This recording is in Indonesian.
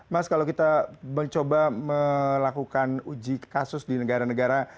mas kalau kita mencoba melakukan uji kasus di negara negara